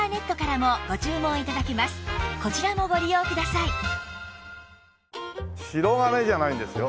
さらに「しろがね」じゃないんですよ